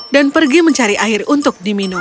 dan pergi mencari air untuk diminum